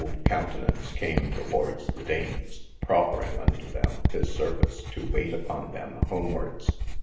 cc 401 THE ADVENTURES countenaunce came towards the Dames, proffering unto them his service, to waight upon them homewardes.